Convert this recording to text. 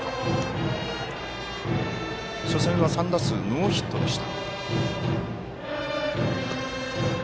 初戦は３打数ノーヒットでした。